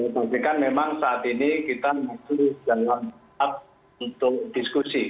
tapi kan memang saat ini kita masih dalam tahap untuk diskusi